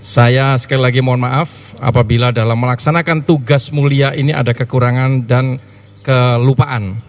saya sekali lagi mohon maaf apabila dalam melaksanakan tugas mulia ini ada kekurangan dan kelupaan